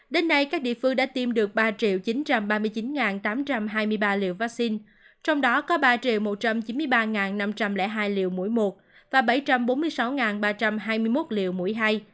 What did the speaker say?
đến nay các địa phương đã tiêm được ba chín trăm ba mươi chín tám trăm hai mươi ba liều vaccine trong đó có ba một trăm chín mươi ba năm trăm linh hai liều mũi một và bảy trăm bốn mươi sáu ba trăm hai mươi một liều mũi hai